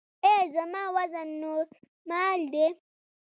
ایا زما وزن نورمال دی؟